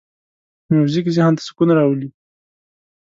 موزیک ذهن ته سکون راولي.